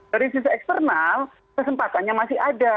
dari sisi eksternal kesempatannya masih ada